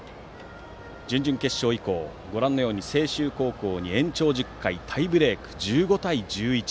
準々決勝以降、ご覧のように青洲高校に先制１０回タイブレークで１５対１１。